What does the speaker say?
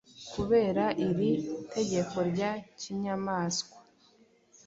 Kubera iri tegeko rya kinyamaswa,